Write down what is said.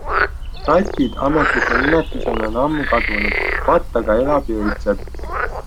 RATid ametlike nimetustena on ammu kadunud, VAT aga elab ja õitseb.